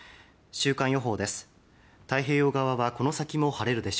週間予報です。